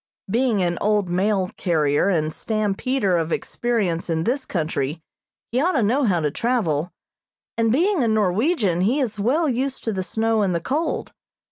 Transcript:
Being an old mail carrier and stampeder of experience in this country, he ought to know how to travel, and, being a Norwegian, he is well used to the snow and the cold.